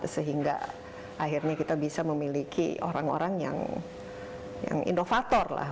sehingga akhirnya kita bisa memiliki orang orang yang inovator lah